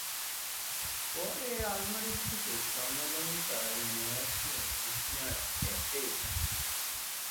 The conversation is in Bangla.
পরে আলমারি থেকে স্বর্ণালংকার নেওয়ার সময় হোসনে আরা টের পেয়ে যান।